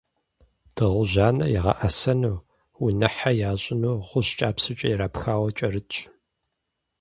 Дыгъужь анэр ягъэӀэсэну, унэхьэ ящӀыну гъущӀ кӀапсэкӀэ ирапхауэ кӀэрытщ.